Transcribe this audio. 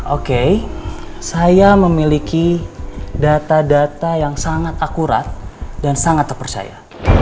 oke saya memiliki data data yang sangat akurat dan sangat terpercaya